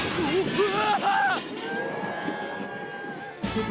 うわ！